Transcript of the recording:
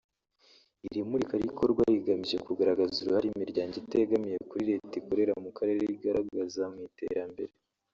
Iri murikabikorwa rigamije kugaragaza uruhare imiryango itegamiye kuri Leta ikorera mu karere igaragaza mu iterambere